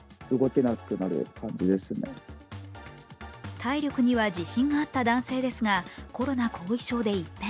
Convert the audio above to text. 体力には自信があった男性ですがコロナ後遺症で一変。